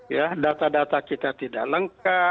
ya data data kita tidak lengkap